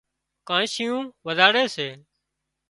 ڪانشيئون وزاڙي سي